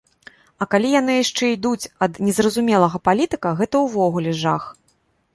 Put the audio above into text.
А калі яны яшчэ ідуць ад незразумелага палітыка, гэта ўвогуле жах.